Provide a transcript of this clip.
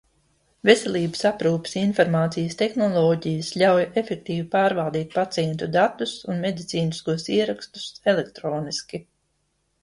Veselības aprūpes informācijas tehnoloģijas ļauj efektīvi pārvaldīt pacientu datus un medicīniskos ierakstus elektroniski.